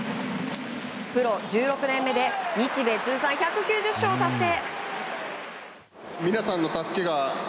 プロ１６年目で日米通算１９０勝を達成。